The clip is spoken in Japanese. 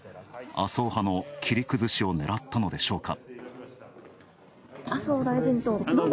麻生派の切り崩しを狙ったのでしょうか。